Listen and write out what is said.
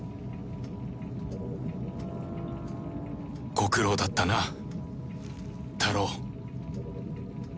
ご苦労だったなタロウ